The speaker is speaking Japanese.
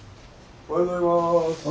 おはようございます。